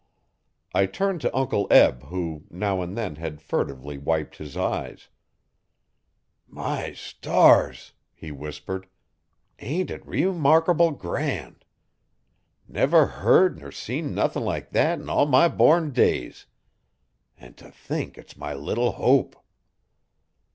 I turned to Uncle Eb who, now and then, had furtively wiped his eyes. 'My stars!' he whispered, 'ain't it reemarkable grand! Never heard ner seen nothin' like thet in all my born days. An' t' think it's my little Hope.'